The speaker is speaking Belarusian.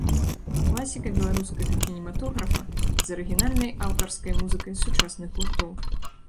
Класіка беларускага кінематографа з арыгінальнай аўтарскай музыкай сучасных гуртоў.